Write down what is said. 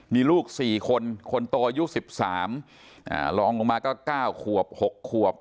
มีลูกสี่คนคนโตยุทธ์๑๓รองลงมาก็๙ควบ๖ควบ